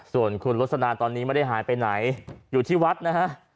ส่วนคุณลสนาตอนนี้ไม่ได้หายไปไหนอยู่ที่วัดนะฮะ